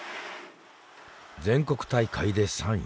全国大会で３位。